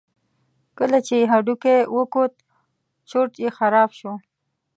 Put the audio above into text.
کله چې یې هډوکی وکوت چورت یې خراب شو.